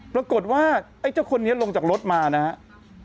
ปรากฏว่าไอ้เจ้าคนนี้ลงจากรถมานะครับ